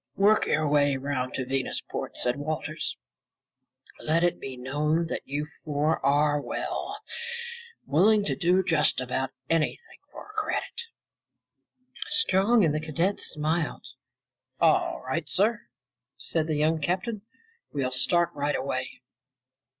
"Work your way around to Venusport," said Walters. "Let it be known that you four are well, willing to do just about anything for a credit." Strong and the cadets smiled. "All right, sir," said the young captain. "We'll start right away."